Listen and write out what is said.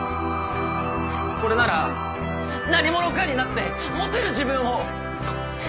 これなら何者かになってモテる自分を少し。